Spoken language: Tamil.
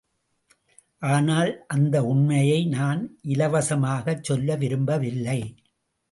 ஆனால் அந்த உண்மையை நான் இலவசமாகச் சொல்ல விரும்பவில்லை.